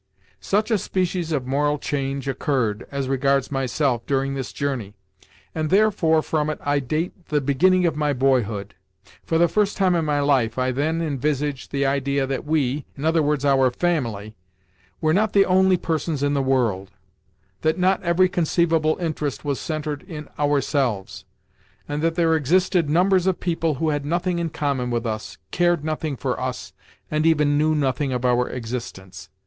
Such a species of moral change occurred, as regards myself, during this journey, and therefore from it I date the beginning of my boyhood. For the first time in my life, I then envisaged the idea that we—i.e. our family—were not the only persons in the world; that not every conceivable interest was centred in ourselves; and that there existed numbers of people who had nothing in common with us, cared nothing for us, and even knew nothing of our existence.